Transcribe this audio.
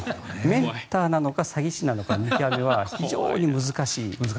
メンターなのか詐欺師なのか見極めは非常に難しい。